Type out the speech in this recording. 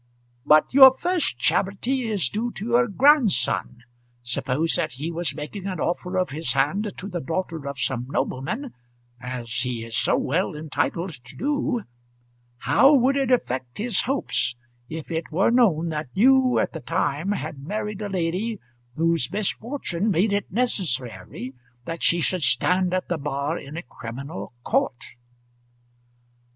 "But your first charity is due to your grandson. Suppose that he was making an offer of his hand to the daughter of some nobleman, as he is so well entitled to do, how would it affect his hopes if it were known that you at the time had married a lady whose misfortune made it necessary that she should stand at the bar in a criminal court?"